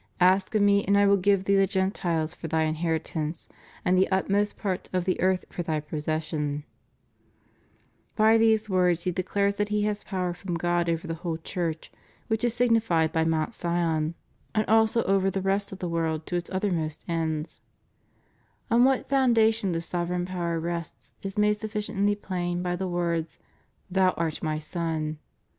Ask of Me and I will give Thee the Gentiles for Thy inheritance, and the utmost parts of the earth for Thy possession? By these words He declares that He has power from God over the whole Church, which is signified by Mount Sion, and also over the rest of the » Hebrewi 13, » Ps. ii. 6 & 456 CONSECRATION TO THE SACRED HEART OF JESUS. world to its uttermost ends. On what foundation this sovereign power rests is made sufficiently plain by the words, Thou art My Son.